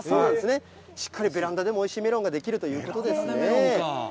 しっかりベランダでもおいしいメロンが出来るということですね。